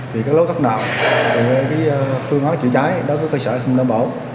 về các lỗ thất nạn về phương án chữa cháy đối với cơ sở xin đảm bảo